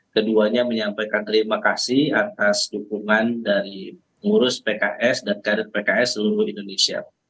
keduanya menyampaikan terima kasih atas dukungan dari pengurus pks dan kader pks seluruh indonesia